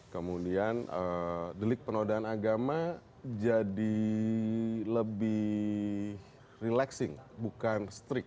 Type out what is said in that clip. kemudian delik penodaan agama jadi lebih relaxing bukan strict